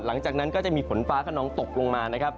หลังจากนั้นก็จะมีฝนฟ้าขนองตกลงมานะครับ